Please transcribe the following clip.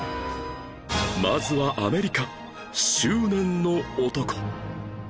まずはアメリカ執念の男